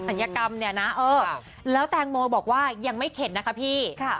ยกรรมเนี่ยนะเออแล้วแตงโมบอกว่ายังไม่เข็ดนะคะพี่